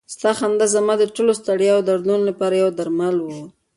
ستا خندا زما د ټولو ستړیاوو او دردونو لپاره یو درمل و.